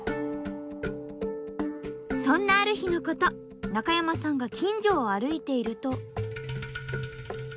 そんなある日のこと中山さんが近所を歩いていると。